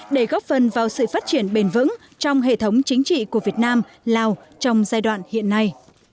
để góp phần vào sự phát triển bền vững trong hệ thống chính trị của việt nam lào trong giai đoạn hiện nay